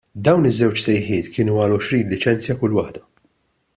Dawn iż-żewġ sejħiet kienu għal għoxrin liċenzja kull waħda.